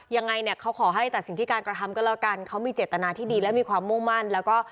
ยังไงเนี่ยเขาขอให้ตัดสิ่งที่การกระทำก็แล้วกันเขามีเจตนาที่ดีและมีความมุ่งมั่นแล้วก็